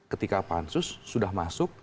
ketika pansus sudah masuk